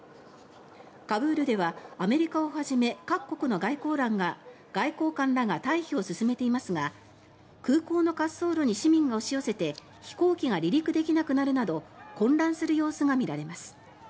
カブールではアメリカをはじめ各国の外交官らが退避を進めていますが空港の滑走路に市民が押し寄せて飛行機が離陸できなくなるなど混乱する様子が見られます。